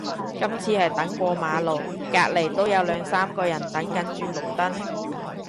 今次係等過馬路，隔離都有兩三個人等緊轉綠燈